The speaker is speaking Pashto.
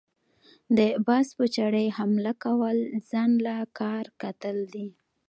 د باز په څاړي حمله كول ځان له کار کتل دي۔